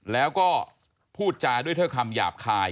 แล้วก็พูดจาด้วยเท่าคำหยาบคาย